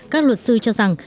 các luật sư cho rằng